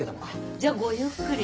じゃごゆっくり。